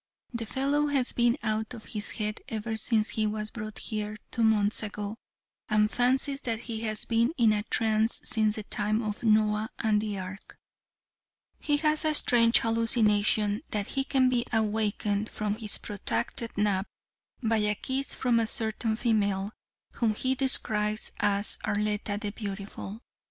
The fellow has been out of his head ever since he was brought here, two months ago, and fancies that he has been in a trance since the time of Noah and the Ark. He has a strange hallucination that he can be awakened from his protracted nap by a kiss from a certain female, whom he describes as Arletta the Beautiful.